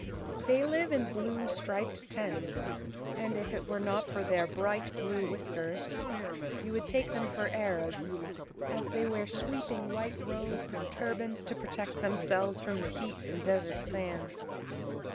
They live in blue, striped tents and, if it were not for their bright blue whiskers, you would take them 19 The Cowardly Lion of Oz for Arabs, as they wear sweeping white robes and turbans to protect themselves from the heat and des¬ ert sands.